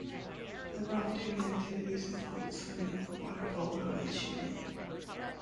Their off-duty activities included swimming, water polo and shooting.